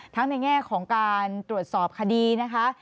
ในแง่ของการตรวจสอบคดีนะคะ